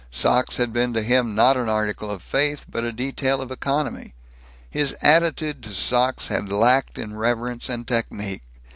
Socks had been to him not an article of faith but a detail of economy. His attitude to socks had lacked in reverence and technique.